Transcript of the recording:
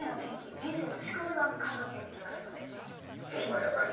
人生の縮図が垣間見えてきますのでぜひ見てください。